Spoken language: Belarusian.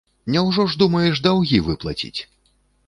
Няўжо ж думаеш даўгі выплаціць?